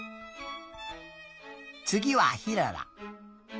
つぎはひらら。